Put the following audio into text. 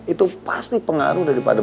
itu pasti pengaruh daripada